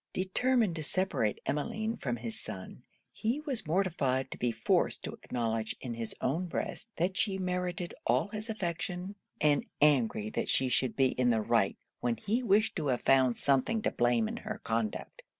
Determined to separate Emmeline from his son, he was mortified to be forced to acknowledge in his own breast that she merited all his affection, and angry that she should be in the right when he wished to have found something to blame in her conduct.